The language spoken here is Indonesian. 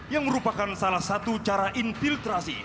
yang merupakan salah satu cara infiltrasi